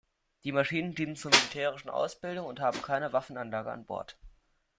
Die Maschinen dienen zur militärischen Ausbildung und haben keine Waffenanlage an Bord.